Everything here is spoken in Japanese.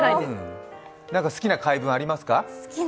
好きな回文ありますか？